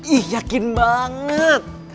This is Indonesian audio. ih yakin banget